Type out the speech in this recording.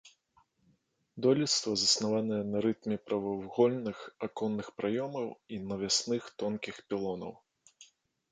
Дойлідства заснаванае на рытме прамавугольных аконных праёмаў і навясных тонкіх пілонаў.